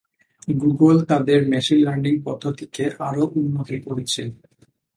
Google তাদের machine learning পদ্ধতিকে আরও উন্নত করেছে।